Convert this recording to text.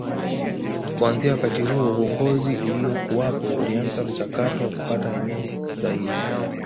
Kuanzia wakati huo uongozi uliokuwapo ulianza mchakato wa kupata eneo zaidi